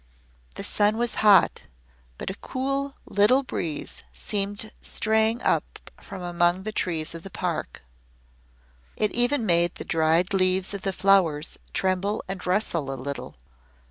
The sun was hot, but a cool, little breeze seemed straying up from among the trees of the Park. It even made the dried leaves of the flowers tremble and rustle a little.